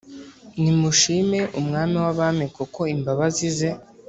Nimushime Umwami w abami Kuko imbabazi ze